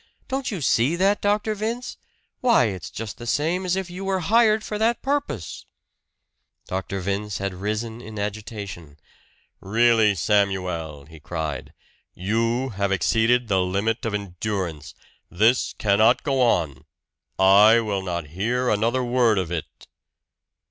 Don't you see that, Dr. Vince? why, it's just the same as if you were hired for that purpose!" Dr. Vince had risen in agitation. "Really, Samuel!" he cried. "You have exceeded the limit of endurance. This cannot go on! I will not hear another word of it!"